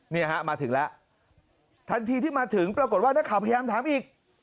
เนี่ยฮะมาถึงแล้วทันทีที่มาถึงปรากฏว่านักข่าวพยายามถามอีก